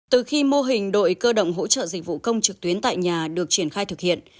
từ khi mô hình đội cơ động hỗ trợ dịch vụ công trực tuyến tại nhà được triển khai thực hiện